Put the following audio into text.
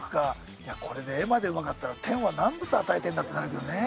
いやこれで絵までうまかったら天は何物与えてるんだってなるけどね。